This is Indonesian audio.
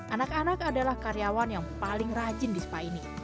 anak anak adalah karyawan yang paling rajin di spa ini